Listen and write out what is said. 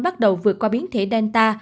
bắt đầu vượt qua biến thể delta